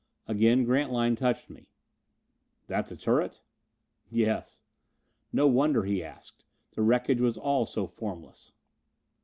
Again Grantline touched me. "That the turret?" "Yes." No wonder he asked! The wreckage was all so formless.